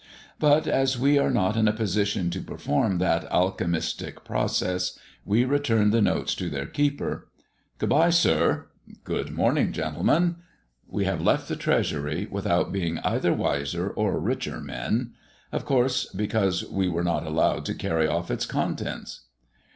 But as we are not in a position to perform that alchymistic process, we return the notes to their keeper. "Good bye, Sir." "Good morning, gentlemen." We have left the Treasury, without being either wiser or richer men. Of course, because we were not allowed to carry off its contents.